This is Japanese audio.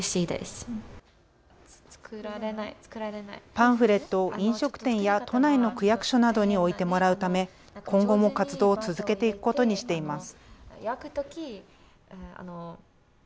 パンフレットを飲食店や都内の区役所などに置いてもらうため今後も活動を続けていくことにしています。